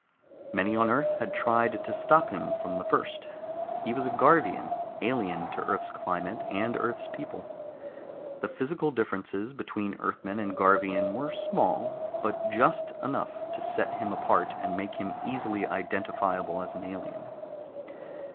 Many on Earth had tried to stop him from the first. He was a Garvian, alien to Earth's climate and Earth's people. The physical differences between Earthmen and Garvians were small, but just enough to set him apart and make him easily identifiable as an alien.